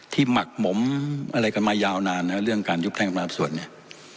ที่หมักหมมอะไรกันมายาวนานนะครับเรื่องการยุบแท่งประสวทธิ์เนี่ย